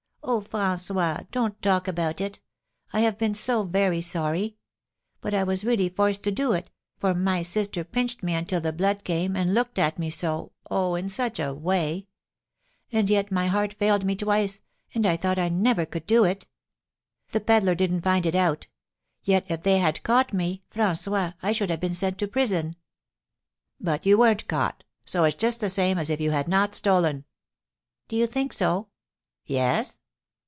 "Oh, François, don't talk about it; I have been so very sorry. But I was really forced to do it, for my sister pinched me until the blood came, and looked at me so oh, in such a way! And yet my heart failed me twice, and I thought I never could do it. The peddler didn't find it out; yet, if they had caught me, François, I should have been sent to prison." "But you weren't caught; so it's just the same as if you had not stolen." "Do you think so?" "Yes."